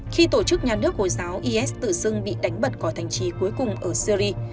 khi tổ chức nhà nước hồi giáo is tự dưng bị đánh bật có thành trí cuối cùng ở syri